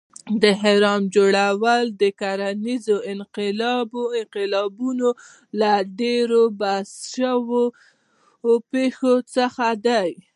د اهرامو جوړول د کرنیز انقلاب یو له ډېرو بحث شوو پېښو څخه دی.